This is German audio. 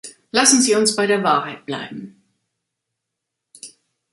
Lassen Sie uns bei der Wahrheit bleiben.